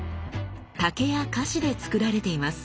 竹や樫で作られています。